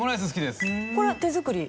これは手作り？